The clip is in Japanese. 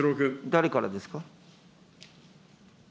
誰からですか。